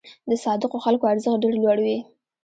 د صادقو خلکو ارزښت ډېر لوړ وي.